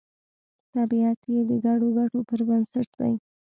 طبیعت یې د ګډو ګټو پر بنسټ دی